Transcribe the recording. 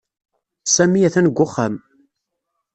Sami atan deg uxxam.